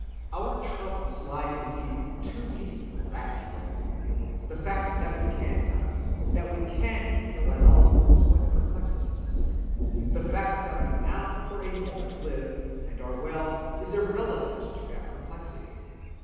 Our troubles lie indeed too deep for that cure. The fact that we can die, that we can be ill at all, is what perplexes us; the fact that we now for a moment live and are well is irrelevant to that perplexity.